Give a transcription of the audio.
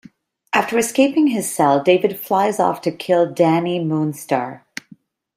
After escaping his cell, David flies off to kill Dani Moonstar.